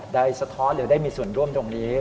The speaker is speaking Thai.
สะท้อนหรือได้มีส่วนร่วมตรงนี้